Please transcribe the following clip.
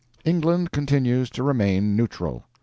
England continues to remain neutral.